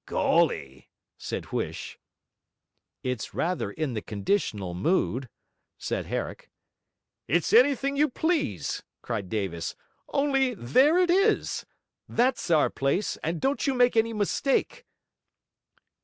'Golly!' said Huish. 'It's rather in the conditional mood,' said Herrick. 'It's anything you please,' cried Davis, 'only there it is! That's our place, and don't you make any mistake.'